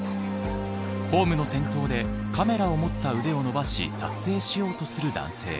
ホームの先頭でカメラを持った腕を伸ばし撮影しようとする男性。